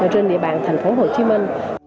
ở trên địa bàn thành phố hồ chí minh